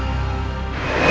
ya makasih ya